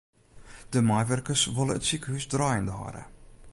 De meiwurkers wolle it sikehús draaiende hâlde.